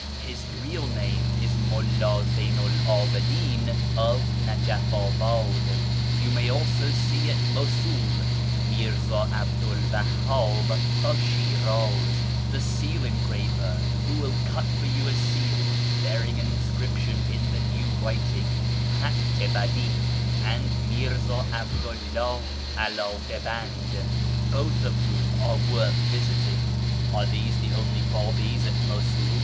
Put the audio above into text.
His real name is Mulla Zeynu 'l 'Abidin of Najafabad. You may also see at Mosul Mirzi'i 'Abdu '1 Wahhab of Shi'raz, the seal engraver, who will cut for you a seal bearing an inscription in the New Writing {Kliatt i hacli), and Mi'rza 'Abdu 'llah ' Aldka hand, both of whom are worth visiting." " Are these the only Babis at Mosul